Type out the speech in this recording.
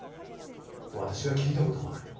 私は聞いたこともない。